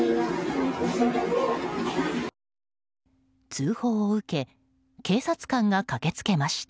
通報を受け警察官が駆けつけました。